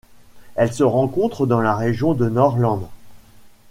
Elle se rencontre dans la région de Northland.